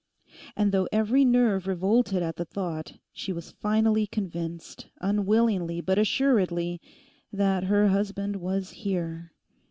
And though every nerve revolted at the thought, she was finally convinced, unwillingly, but assuredly, that her husband was here.